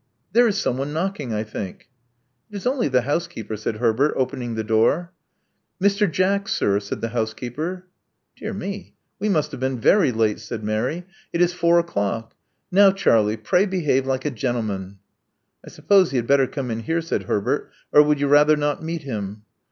There is someone knocking, I think." It is only the housekeeper," said Herbert, opening the door. *'Mr. Jack, sir," said the housekeeper. Dear me! we must have been very late," Baid Mary. '*It is four o'clock. Now Charlie, pray behave like a gentleman." '*I suppose he had better come in here," said Herbert. '*Or would you rather not meet him?"